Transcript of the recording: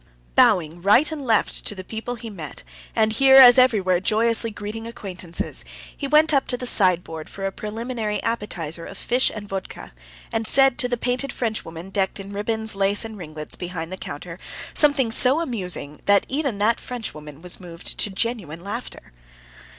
Bowing to right and left to the people he met, and here as everywhere joyously greeting acquaintances, he went up to the sideboard for a preliminary appetizer of fish and vodka, and said to the painted Frenchwoman decked in ribbons, lace, and ringlets, behind the counter, something so amusing that even that Frenchwoman was moved to genuine laughter.